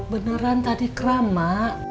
beneran tadi krama